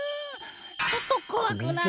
ちょっと怖くない？